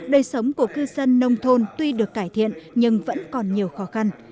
đời sống của cư dân nông thôn tuy được cải thiện nhưng vẫn còn nhiều khó khăn